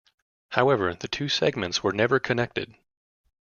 However, the two segments were never connected.